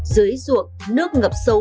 dưới ruộng nước ngập sâu